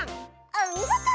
おみごと！